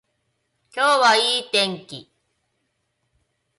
今日はいい天気